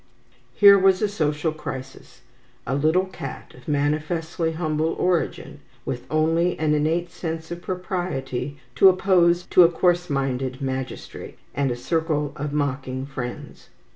Here was a social crisis. A little cat of manifestly humble origin, with only an innate sense of propriety to oppose to a coarse minded magistrate, and a circle of mocking friends.